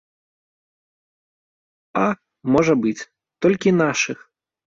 А, можа быць, толькі нашых.